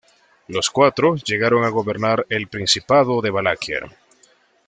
Los cuatro llegaron a gobernar el principado de Valaquia.